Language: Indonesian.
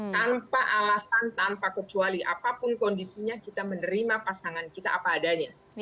tanpa alasan tanpa kecuali apapun kondisinya kita menerima pasangan kita apa adanya